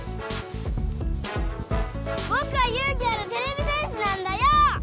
ぼくは勇気あるてれび戦士なんだよ！